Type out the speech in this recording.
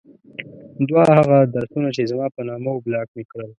دوه هغه ادرسونه چې زما په نامه وو بلاک مې کړل.